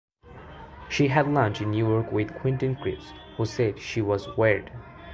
She had lunch in New York with Quentin Crisp, who said she was "weird".